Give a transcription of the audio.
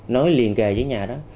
nói liền kề với nhà đó